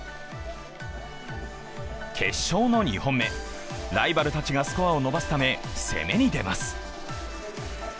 決勝の２本目、ライバルたちがスコアを伸ばすため、攻めに出ます。